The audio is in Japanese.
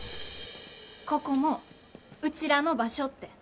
ここもうちらの場所って。